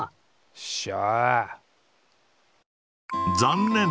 よっしゃ。